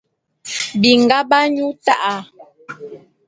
Binga b'anyu ta'a.